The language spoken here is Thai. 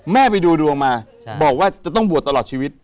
ไปดูดวงมาบอกว่าจะต้องบวชตลอดชีวิต